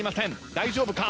大丈夫か？